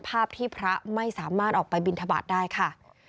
ภาพที่พระไม่สามารถออกไปบินทบาทได้ค่ะ